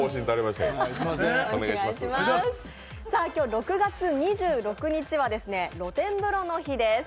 ６月２６日は露天風呂の日です。